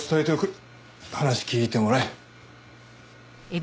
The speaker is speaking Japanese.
話聞いてもらえ。